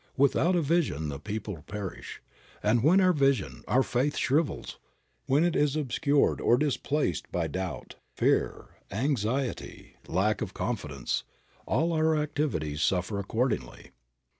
"Without a vision the people perish," and when our vision, our faith, shrivels, when it is obscured or displaced by doubt, fear, anxiety, lack of confidence, all our activities suffer accordingly.